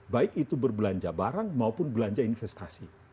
baik itu berbelanja barang maupun belanja investasi